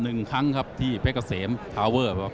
หนึ่งครั้งครับที่เพชรเกษมทาวเวอร์ครับ